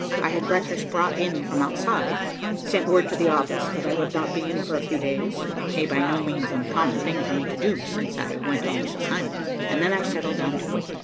I had breakfast brought in from outside, sent word to the office that I would not be in for a few days, a by no means uncommon thing for me to do since I went on this assignment, and then I settled down to wait.